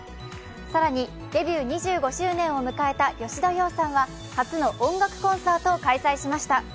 更にデビュー２５周年を迎えた吉田羊さんは初の音楽コンサートを開催しました。